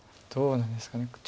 どうなんですかね